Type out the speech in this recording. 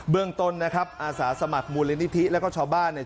เรื่องต้นนะครับอาสาสมัครมูลนิธิแล้วก็ชาวบ้านเนี่ย